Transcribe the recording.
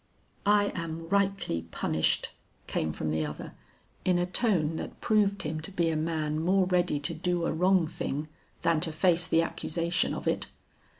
"'I am rightly punished,' came from the other, in a tone that proved him to be a man more ready to do a wrong thing than to face the accusation of it.